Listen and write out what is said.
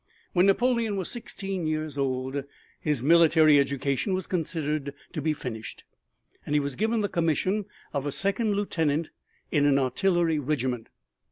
When Napoleon was sixteen years old, his military education was considered to be finished and he was given the commission of a second lieutenant in an artillery regiment.